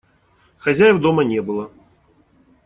Хозяев дома не было.